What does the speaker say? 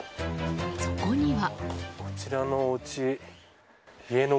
そこには。